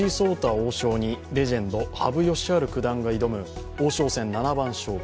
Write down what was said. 王将にレジェンド・羽生九段が挑む王将戦七番勝負。